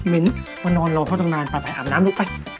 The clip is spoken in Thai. เม็ดมานอนรอพ่อต้องนานไปอาบน้ำลูกไป